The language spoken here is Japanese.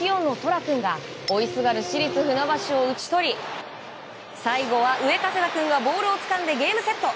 楽君が追いすがる市立船橋を打ち取り最後は上加世田君がボールをつかんでゲームセット。